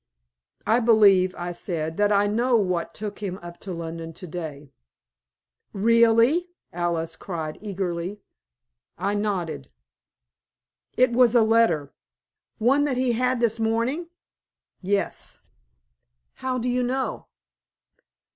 "I believe," I said, "that I know what took him up to London to day." "Really!" Alice cried, eagerly. I nodded. "It was a letter." "One that he had this morning?" "Yes." "How do you know?"